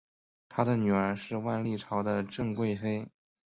他的女儿是万历朝的郑贵妃。